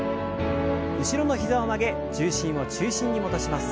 後ろの膝を曲げ重心を中心に戻します。